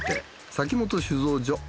崎元酒造所。